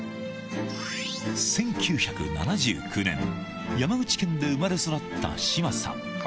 １９７９年、山口県で生まれ育った志麻さん。